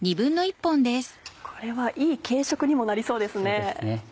これはいい軽食にもなりそうですね。